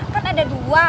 kan ada dua